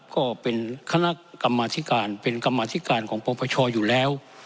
ก็เป็นคณะกรรมาธิการเป็นกรรมาธิการของปปชอยู่แล้ว